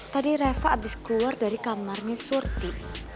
tadi reva habis keluar dari kamarnya surti